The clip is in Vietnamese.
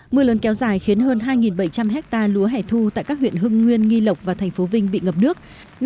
mưa lớn kéo dài khiến hơn hai bảy trăm linh hectare lúa hẻ thu tại các huyện hưng nguyên nghi lộc và thành phố vinh bị ngập nước